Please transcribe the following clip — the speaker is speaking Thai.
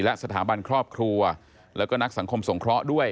และสถาบันครอบครัวแล้วก็นักสังคมสงเคราะห์ด้วย